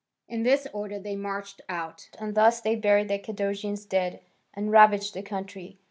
In this order they marched out, and thus they buried the Cadousian dead and ravaged the country.